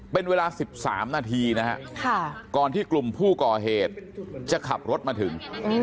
เป็นเวลา๑๓นาทีนะฮะก่อนที่กลุ่มผู้ก่อเหตุจะขับรถมาถึง